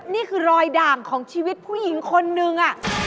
นี่คือรอยด่างของชีวิตผู้หญิงคนนึง